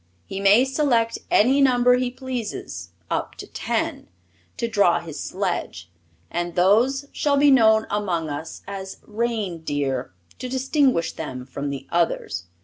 He may select any number he pleases, up to ten, to draw his sledge, and those shall be known among us as Reindeer, to distinguish them from the others.